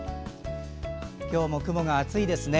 今日も雲が厚いですね。